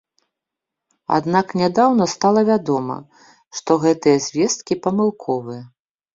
Аднак нядаўна стала вядома, што гэтыя звесткі памылковыя.